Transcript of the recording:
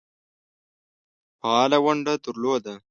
فعاله ونډه درلوده.